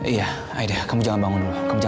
iya aida kamu jangan bangun dulu